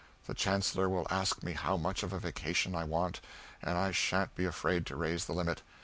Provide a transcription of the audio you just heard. The chancellor will ask me how much of a vacation I want, and I sha'n't be afraid to raise the limit.